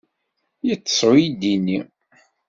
Yeṭṭes uydi-ni.